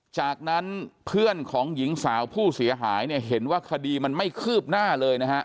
จากนั้นเพื่อนของหญิงสาวผู้เสียหายเนี่ยเห็นว่าคดีมันไม่คืบหน้าเลยนะฮะ